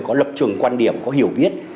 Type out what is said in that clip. có lập trường quan điểm có hiểu biết